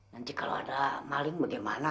nanti kalau ada maling bagaimana